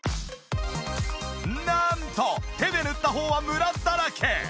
なんと手で塗った方はムラだらけ！